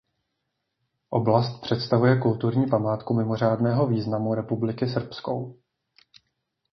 Oblast představuje kulturní památku mimořádného významu Republiky srbskou.